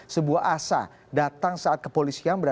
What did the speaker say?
sebuah asa datang saat kepolisian berada